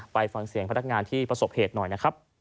ไปฟังเสียงพนักงานที่ประสบเหตุหน่อยนะครับ